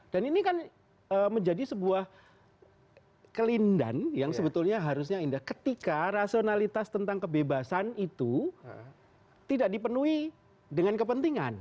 dan ini kan menjadi sebuah kelindan yang sebetulnya harusnya indah ketika rasionalitas tentang kebebasan itu tidak dipenuhi dengan kepentingan